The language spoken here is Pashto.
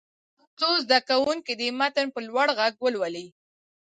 څو زده کوونکي دې متن په لوړ غږ ولولي.